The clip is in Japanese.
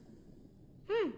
うん。